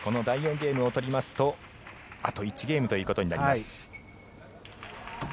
ゲームを取りますとあと１ゲームということになります。